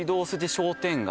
商店街